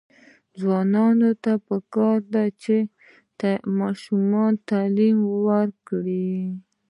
ځوانانو ته پکار ده چې، ماشومانو تعلیم ورکړي.